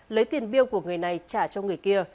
lấy tiền biêu của người này trả cho người kia